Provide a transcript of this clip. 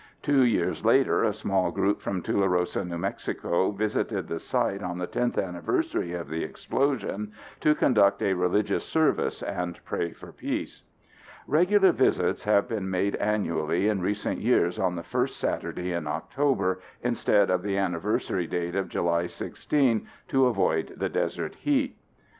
Two years later, a small group from Tularosa, NM visited the site on the 10th anniversary of the explosion to conduct a religious service and pray for peace. Regular visits have been made annually in recent years on the first Saturday in October instead of the anniversary date of July 16, to avoid the desert heat.